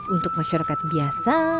untuk masyarakat biasa